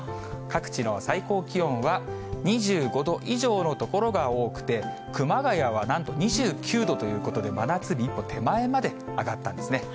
各地の最高気温は、２５度以上の所が多くて、熊谷はなんと２９度ということで、真夏日一歩手前まで上がったんですね。